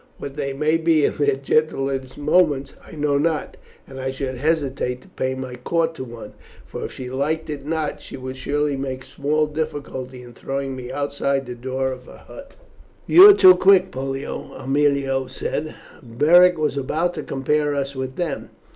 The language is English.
What they may be in their gentler moments I know not, and I should hesitate to pay my court to one, for, if she liked it not, she would make small difficulty in throwing me outside the door of her hut." "You are too quick, Pollio," Aemilia said. "Beric was about to compare us with them."